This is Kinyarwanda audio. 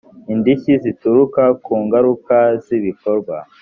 indishyi zituruka ku ngaruka z ibikorwa